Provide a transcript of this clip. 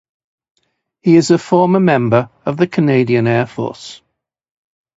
He is a former member of the Canadian Air Force.